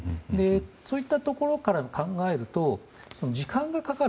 そういったところから考えると時間がかかる。